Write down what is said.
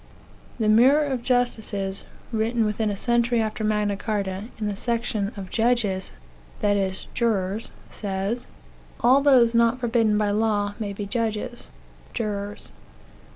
The Mirror of Justices, (written within a century after Magna Carta,) in the section " Of Judges" that is, jurors says: "All those who are not forbidden by law may be judges (jurors).